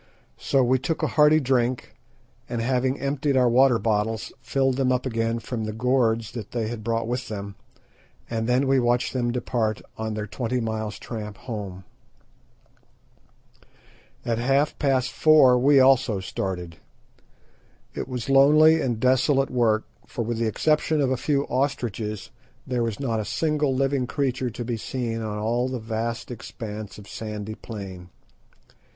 So we took a hearty drink, and having emptied our water bottles, filled them up again from the gourds that they had brought with them, and then watched them depart on their twenty miles' tramp home. At half past four we also started. It was lonely and desolate work, for with the exception of a few ostriches there was not a single living creature to be seen on all the vast expanse of sandy plain.